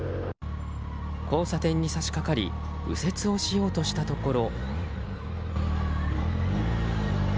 交差点に差し掛かり右折をしようとしたところ。